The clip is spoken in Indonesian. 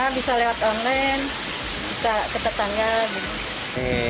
ya bisa lewat online bisa ke tetangga